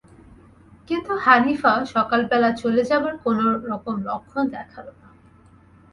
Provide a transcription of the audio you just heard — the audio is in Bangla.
কিন্তু হানিফা সকালবেলা চলে যাবার কোনো রকম লক্ষণ দেখাল না।